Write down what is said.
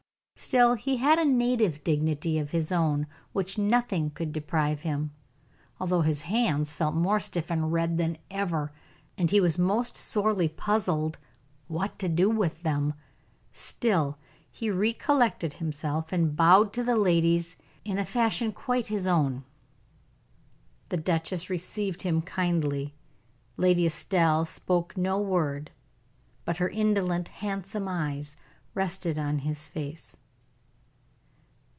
Still he had a native dignity of his own of which nothing could deprive him. Although his hands felt more stiff and red than ever, and he was most sorely puzzled what to do with them, still he recollected himself, and bowed to the ladies in a fashion quite his own. The duchess received him kindly. Lady Estelle spoke no word, but her indolent, handsome eyes, rested on his face.